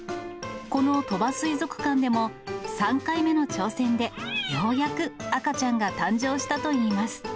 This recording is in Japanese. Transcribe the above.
この鳥羽水族館でも、３回目の挑戦で、ようやく赤ちゃんが誕生したといいます。